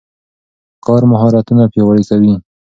کار مهارتونه پیاوړي کوي.